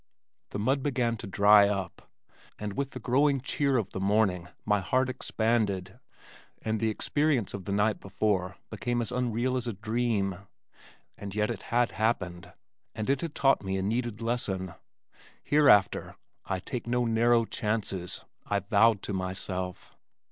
The mud began to dry up and with the growing cheer of the morning my heart expanded and the experience of the night before became as unreal as a dream and yet it had happened, and it had taught me a needed lesson. Hereafter I take no narrow chances, I vowed to myself.